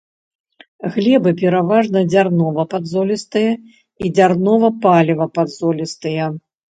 Глебы пераважна дзярнова-падзолістыя і дзярнова-палева-падзолістыя.